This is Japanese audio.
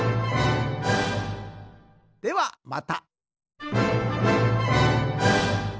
ではまた。